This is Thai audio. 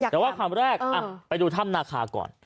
แต่ว่าคำแรกไปดูถ้ำนาคาก่อน